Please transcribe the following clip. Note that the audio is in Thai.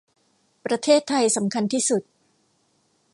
ประเทศไทยสำคัญที่สุด